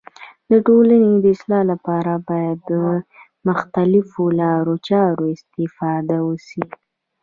د ټولني د اصلاح لپاره باید د مختلیفو لارو چارو استفاده وسي.